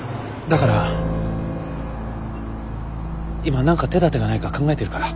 だから今何か手だてがないか考えてるから。